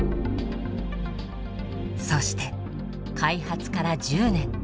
そして開発から１０年。